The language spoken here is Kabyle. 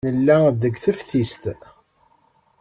Nella deg teftist.